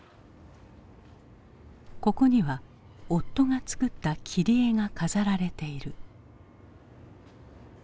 ここには夫が作った切り絵が飾られている。